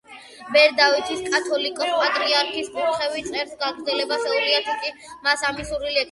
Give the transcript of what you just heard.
ბერ დავითს, კათოლიკოს-პატრიარქის კურთხევით, წერის გაგრძელება შეუძლია, თუკი მას ამის სურვილი ექნება.